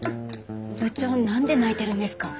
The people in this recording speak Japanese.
部長何で泣いてるんですか？